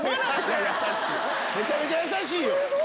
めちゃめちゃ優しいよ！